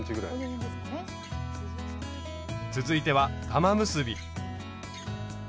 続いては玉結び。